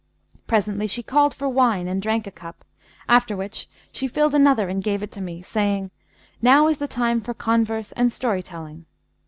Presently, she called for wine and drank a cup, after which she filled another and gave it to me, saying, 'Now is the time for converse and story telling.'